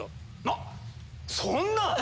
なっそんな！